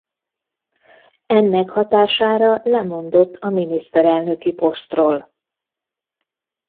Ennek hatására lemondott a miniszterelnöki posztról.